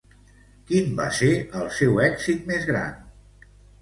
Quin va ser el seu èxit més gran?